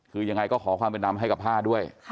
คือยังไงก็ขอความเป็นธรรมให้กับผ้าด้วย